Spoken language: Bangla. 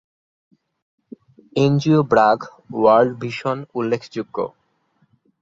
এনজিও ব্র্যাক, ওয়াল্ড ভিশন উল্লেখযোগ্য।